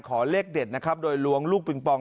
เลขเด็ดนะครับโดยล้วงลูกปิงปอง